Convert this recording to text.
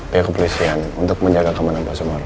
pihak kepolisian untuk menjaga keamanan pak sumarno